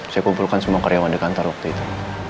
saya kumpulkan semua karyawan di kantor waktu itu